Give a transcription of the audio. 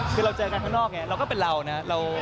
คือเราเจอกันข้างนอกไงเราก็เป็นเรานะ